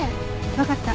わかった。